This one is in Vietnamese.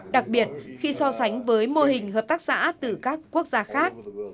đặc biệt khi so sánh với mô hình hợp tác xã từ các quốc gia khác